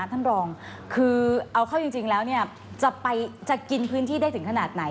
ท่านรองคือเอาเข้าจริงแล้วจะกินพื้นที่ได้ถึงขนาดไหน